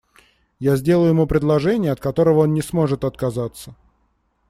Я сделаю ему предложение, от которого он не сможет отказаться.